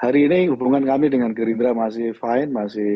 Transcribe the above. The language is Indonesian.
hari ini hubungan kami dengan gerindra masih fine